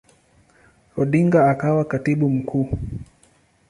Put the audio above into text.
Odinga akawa Katibu Mkuu.